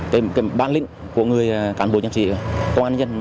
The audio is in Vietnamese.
cái bản lĩnh của người cán bộ nhân dân công an nhân